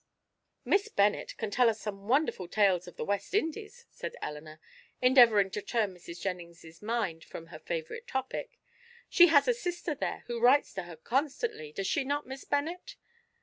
"Miss Bennet can tell us some wonderful tales of the West Indies," said Elinor, endeavouring to turn Mrs. Jennings's mind from her favourite topic; "she has a sister there, who writes to her constantly, does she not, Miss Bennet?